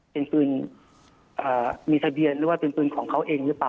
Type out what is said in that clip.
เป็นปืนมีทะเบียนหรือว่าเป็นปืนของเขาเองหรือเปล่า